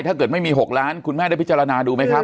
ถ้าเกิดไม่มี๖ล้านคุณแม่ได้พิจารณาดูไหมครับ